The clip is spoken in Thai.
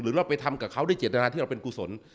เราไปทำกับเขาด้วยเจตนาที่เราเป็นกุศล